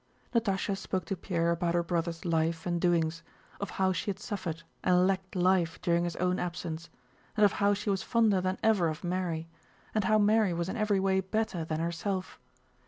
Natásha spoke to Pierre about her brother's life and doings, of how she had suffered and lacked life during his own absence, and of how she was fonder than ever of Mary, and how Mary was in every way better than herself.